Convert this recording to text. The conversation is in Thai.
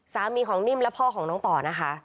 สามีของนิ่มและพ่อของน้องต่อนะคะ